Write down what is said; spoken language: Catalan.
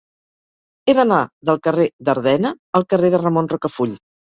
He d'anar del carrer d'Ardena al carrer de Ramon Rocafull.